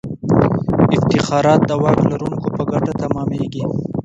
افتخارات د واک لرونکو په ګټه تمامیږي.